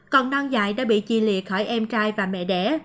còn non dại đã bị chi liệt khỏi em trai và mẹ đẻ